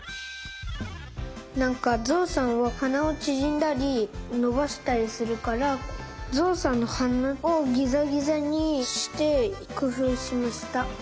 なんかぞうさんははなをちぢんだりのばしたりするからぞうさんのはなをギザギザにしてくふうしました。